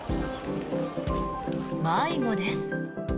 迷子です。